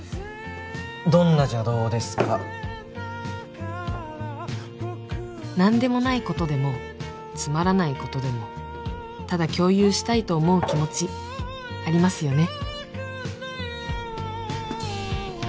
どんな邪道ですか何でもないことでもつまらないことでもただ共有したいと思う気持ちありますよね